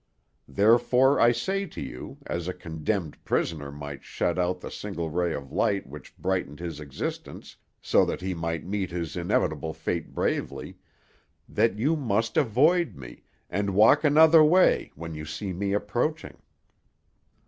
Therefore I say to you, as a condemned prisoner might shut out the single ray of light which brightened his existence, so that he might meet his inevitable fate bravely, that you must avoid me, and walk another way when you see me approaching."